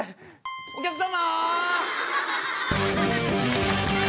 お客様！